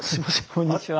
こんにちは。